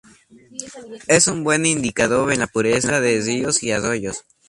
Es un buen indicador de la pureza de ríos y arroyos.